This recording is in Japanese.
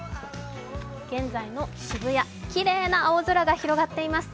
現在の渋谷、きれいな青空が広がっています。